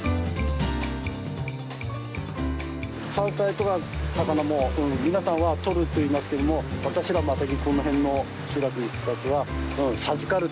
山菜とか魚も皆さんは「とる」と言いますけども私らマタギこの辺の集落の人たちは「授かる」と言いますね。